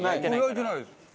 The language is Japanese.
焼いてないです。